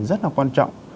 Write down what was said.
rất là quan trọng